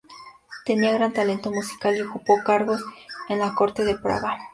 Tenía gran talento musical, y ocupó cargos en la corte de Praga.